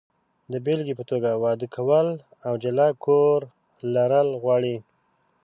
د بېلګې په توګه، واده کول او جلا کور لرل غواړي.